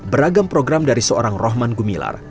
beragam program dari seorang rohman gumilar